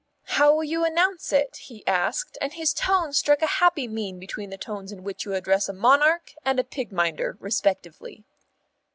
"How will you announce it?" he asked, and his tone struck a happy mean between the tones in which you address a monarch and a pig minder respectively.